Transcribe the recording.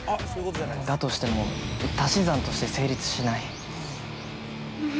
◆だとしても足し算が成立しないな。